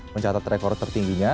mencatat rekor tertingginya